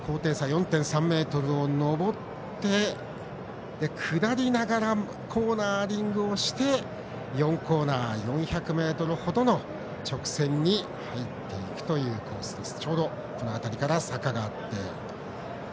４．３ｍを上って下りながらコーナーリングをして４コーナー、４００ｍほどの直線に入っていくというコースです。